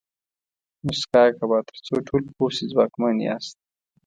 موسکا کوه تر څو ټول پوه شي ځواکمن یاست.